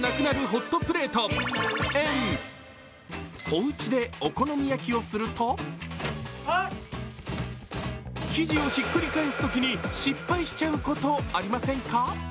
おうちでお好み焼きをすると生地をひっくり返すときに失敗しちゃうこと、ありませんか？